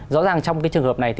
rõ ràng trong trường hợp này